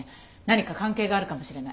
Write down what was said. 何か関係があるかもしれない。